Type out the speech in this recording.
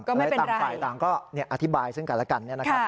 ก็ไม่เป็นไรต่างก็อธิบายซึ่งกันแล้วกัน